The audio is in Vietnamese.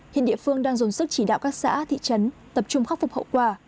hiện địa phương đang dồn sức chỉ đạo các xã thị trấn tập trung khắc phục hậu quả